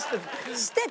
してた！